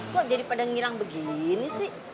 kok daddy pada menghilang begini